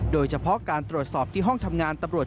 โดยเฉพาะการตรวจสอบที่ห้องทำงานตำรวจ